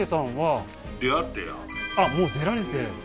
うんあっもう出られて？